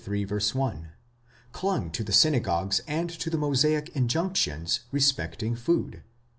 1), clung to the syna gogues and to the Mosaic injunctions respecting food (x.